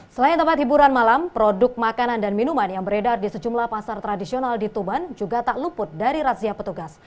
selain tempat hiburan malam produk makanan dan minuman yang beredar di sejumlah pasar tradisional di tuban juga tak luput dari razia petugas